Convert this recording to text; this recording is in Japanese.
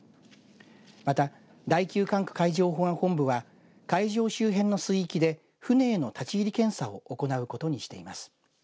また、第９管区海上保安本部は会場周辺の水域で船への立ち入り検査を行うことにしています。